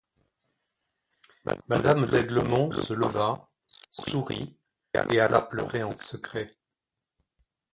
Madame d’Aiglemont se leva, sourit, et alla pleurer en secret.